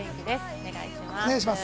お願いします。